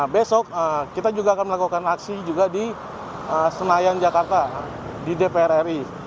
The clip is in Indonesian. besok kita juga akan melakukan aksi juga di senayan jakarta di dpr ri